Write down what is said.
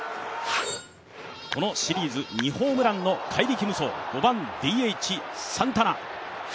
このシリーズ２ホームランの怪力無双、５番ＤＨ・サンタナ。